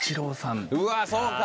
うわそうか！